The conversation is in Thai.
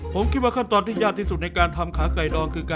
ผมคิดว่าขั้นตอนที่ยากที่สุดในการทำขาไก่ดองคือ